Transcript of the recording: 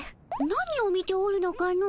何を見ておるのかの。